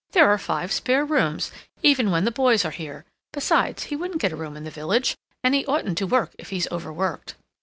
"There are five spare rooms, even when the boys are here. Besides, he wouldn't get a room in the village. And he oughtn't to work if he's overworked."